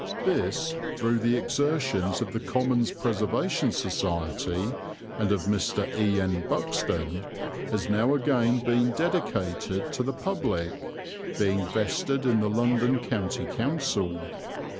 This, through the exertions of the Commons Preservation Society and of Mr. E. N. Buxton, has now again been dedicated to the public, being vested in the London County Council.